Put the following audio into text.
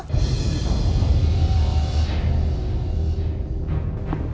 tadi aku dengar